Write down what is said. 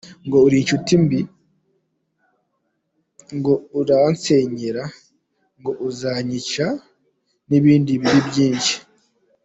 Ngo uri inshuti mbi !;- Ngo uzansenyera !;- Ngo uzanyica !;- N’ibindi bibi byinshi.